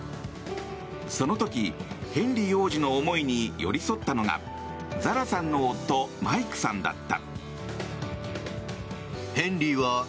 その時、ヘンリー王子の思いに寄り添ったのがザラさんの夫マイクさんだった。